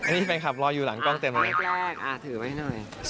นี่แฟนคลับรออยู่หลังกล้องเต็มเลยถือไว้หน่อย